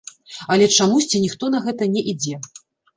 Але чамусьці ніхто на гэта не ідзе.